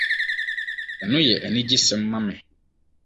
Ɛno yɛ anigyesɛm ma me.